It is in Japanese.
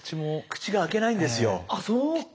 口が開けないんですよ。